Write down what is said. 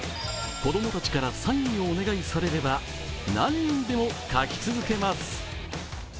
子供たちからサインをお願いされれば、何人にでもかき続けます。